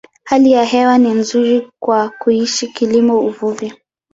Hali ya hewa ni nzuri kwa kuishi, kilimo, uvuvi.